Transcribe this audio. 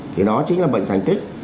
thì đó chính là bệnh thành tích